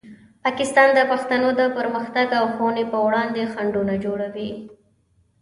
پاکستان د پښتنو د پرمختګ او ښوونې په وړاندې خنډونه جوړوي.